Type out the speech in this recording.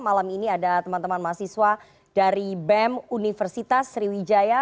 malam ini ada teman teman mahasiswa dari bem universitas sriwijaya